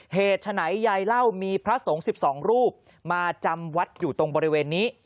เหตุฉะไหนยายเล่ามีพระสงฆ์๑๒รูปมาจำวัดอยู่ตรงบริเวณนี้